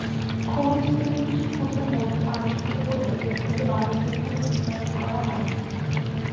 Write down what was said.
খনিজ তেলের কিছু ক্ষুদ্র মজুদ আবিষ্কৃত হলেও এগুলিকে বাণিজ্যিকভাবে নিষ্কাশন করা হয়নি।